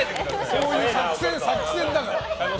そういう作戦だから。